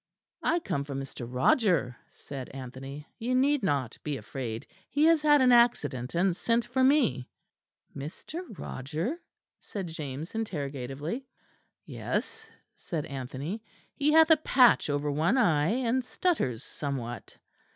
"I come from Mr. Roger," said Anthony, "you need not be afraid. He has had an accident and sent for me." "Mr. Roger?" said James interrogatively. "Yes," said Anthony, "he hath a patch over one eye; and stutters somewhat."